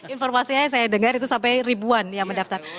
informasinya saya dengar itu sampai ribuan yang mendaftar